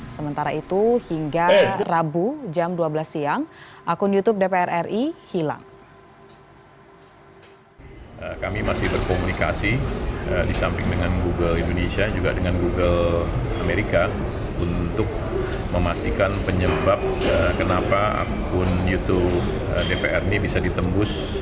sementara itu hingga rabu jam dua belas siang akun youtube dpr ri hilang